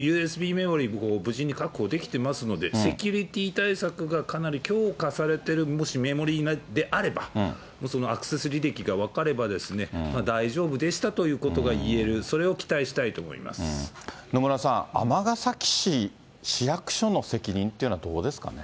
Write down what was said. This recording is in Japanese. そうですね、ＵＳＢメモリ、無事に確保できてますので、セキュリティー対策がかなり強化されてる、もしメモリであれば、そのアクセス履歴が分かれば、大丈夫でしたということが言える、野村さん、尼崎市、市役所の責任っていうのはどうですかね。